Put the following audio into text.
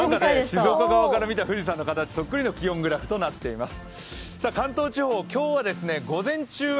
静岡側から見た富士山とそっくりの気温グラフとなっています。